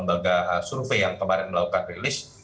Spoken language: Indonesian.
lembaga survei yang kemarin melakukan rilis